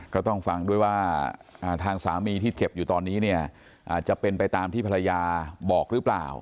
ก็ต้องฟังด้วยว่าทางสามีที่เจ็บอยู่ตอนนี้เนี่ยจะเป็นไปตามที่ภรรยาบอกหรือเปล่า